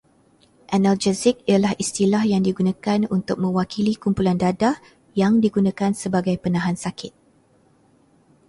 Analgesik ialah istilah yang digunakan untuk mewakili kumpulan dadah yang digunakan sebagai penahan sakit